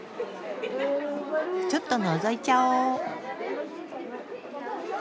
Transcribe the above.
ちょっとのぞいちゃおう。